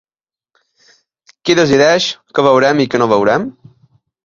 Qui decideix què veurem i què no veurem?